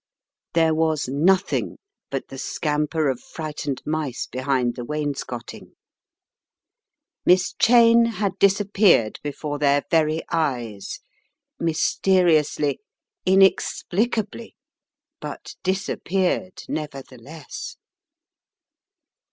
There was nothing but the scamper of frightened mice behind the wainscoting. Miss Cheyne had dis appeared before their very eyes, mysteriously, in explicably, but disappeared nevertheless!